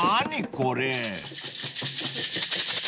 これ］